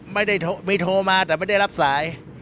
ไม่โทรมาแต่ไม่ได้รับส่าย